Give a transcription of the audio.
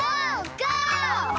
ゴー！